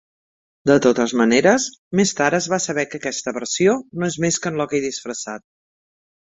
De totes maneres, més tard es va saber que aquesta versió no és més que en Loki disfressat.